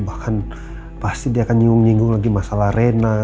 bahkan pasti dia akan nyinggung nyinggung lagi masalah rena